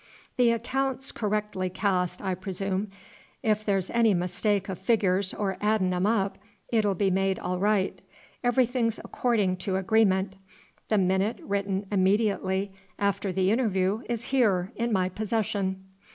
"The accaount's correc'ly cast, I presoom; if the' 's any mistake of figgers or addin' 'em up, it'll be made all right. Everything's accordin' to agreement. The minute written immed'ately after the intervoo is here in my possession."